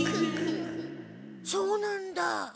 そうなんだ。